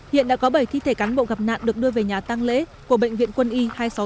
hiện đã có bảy thi thể cán bộ gặp nạn được đưa về nhà tăng lễ của bệnh viện quân y hai trăm sáu mươi tám